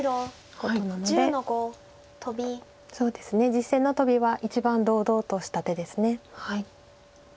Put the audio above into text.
実戦のトビは一番堂々とした手です。